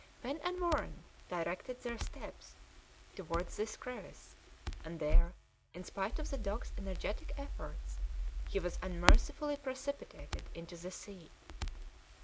Pen and Warren directed their steps towards this crevice, and there, in spite of the dog's energetic efforts, he was unmercifully precipitated into the sea.